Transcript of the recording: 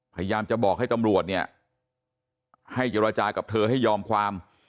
พยายามจะบอกให้ตำรวจเนี่ยให้เจรจากับเธอให้ยอมความ